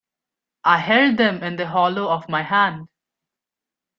I held them in the hollow of my hand.